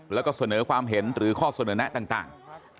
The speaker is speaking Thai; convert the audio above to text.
แล้วก็เสนอความเห็นหรือข้อเสนอแนะต่าง